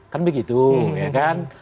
kan begitu ya kan